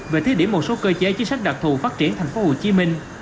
về thiết điểm một số cơ chế chính sách đặc thù phát triển thành phố hồ chí minh